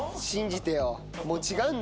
信じてよ。